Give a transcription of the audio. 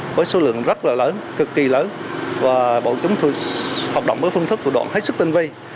với số lượng rất là lớn cực kỳ lớn và bọn chúng hoạt động với phương thức thủ đoạn hết sức tinh vi